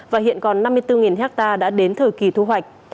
và hiện còn năm mươi bốn hectare đã đến thời kỳ thu hoạch